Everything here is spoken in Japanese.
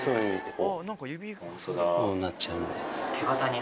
こうなっちゃうんで。